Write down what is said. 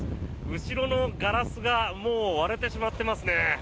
後ろのガラスが割れてしまってますね。